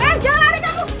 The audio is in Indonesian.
eh jangan lari kamu